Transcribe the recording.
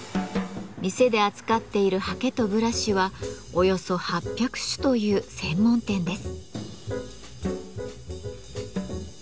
店で扱っている刷毛とブラシはおよそ８００種という専門店です。